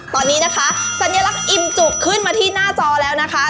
ตอนนี้นะคะสัญลักษณ์อิ่มจุกขึ้นมาที่หน้าจอแล้วนะคะ